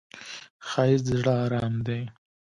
ښایست د زړه آرام دی